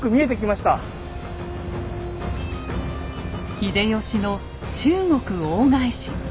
秀吉の中国大返し。